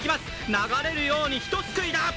流れるように、ひとすくいだ！